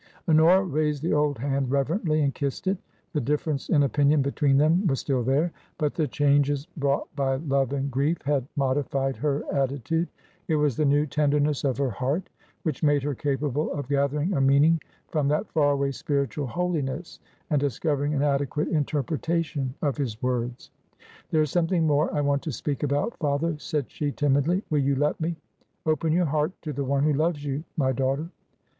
Honora raised the old hand reverently and kissed it. The difference in opinion between them was still there, but the changes brought by love and grief had modified her attitude ; it was the new tenderness of her heart which made her capable of gathering a meaning from that far away spiritual holiness and discovering an adequate interpretation of his words. '^ There is something more I want to speak about, father," said she, timidly ;" will you let me ?" "Open your heart to the one who loves you, my daughter."